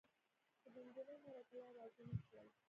خو د نجلۍ مور او پلار راضي نه شول.